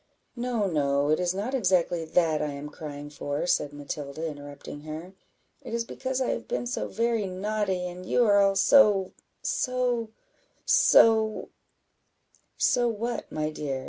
"No, no, it is not exactly that I am crying for," said Matilda, interrupting her; "it is because I have been so very naughty, and you are all so so so " "So what, my dear?"